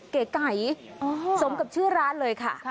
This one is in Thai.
เก๋ไก่สมกับชื่อร้านเลยค่ะ